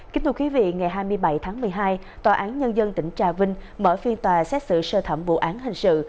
kính thưa quý vị ngày hai mươi bảy tháng một mươi hai tòa án nhân dân tỉnh trà vinh mở phiên tòa xét xử sơ thẩm vụ án hình sự